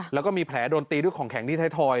แล้วก็มีแผลโดนตีด้วยของแข็งที่ไทยทอย